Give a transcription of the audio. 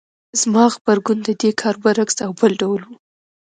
زما غبرګون د دې کار برعکس او بل ډول و.